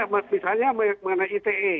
misalnya mengenai ite